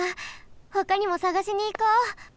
ほかにもさがしにいこう。